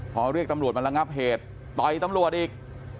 พอเรียกตำรวจมาระงับเหตุต่อยตำรวจอีก